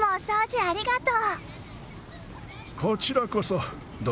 ありがとう！